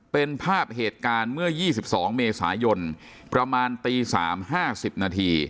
เป็นภาพเหตุการณ์เมื่อ๒๒เมษายนประมาณตี๓๕๐นาที